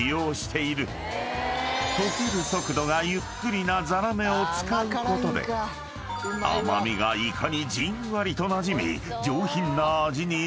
［溶ける速度がゆっくりなザラメを使うことで甘味がイカにじんわりとなじみ］